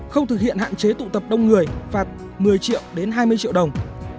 không thực hiện hạn chế tụ tập đông người phạt một mươi triệu đến hai mươi triệu đồng